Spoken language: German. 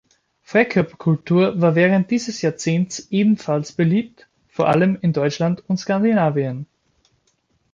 Freikörperkultur war während dieses Jahrzehnts ebenfalls beliebt, vor allem in Deutschland und Skandinavien.